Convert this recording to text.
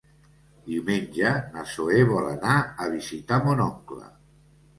Diumenge na Zoè vol anar a visitar mon oncle.